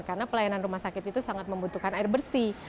karena pelayanan rumah sakit itu sangat membutuhkan air bersih